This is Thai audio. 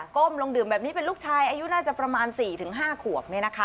้มลงดื่มแบบนี้เป็นลูกชายอายุน่าจะประมาณ๔๕ขวบ